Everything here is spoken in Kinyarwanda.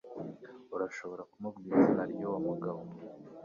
Urashobora kumbwira izina ryuwo mugabo?